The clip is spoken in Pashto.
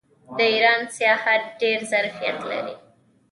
د ایران سیاحت ډیر ظرفیت لري.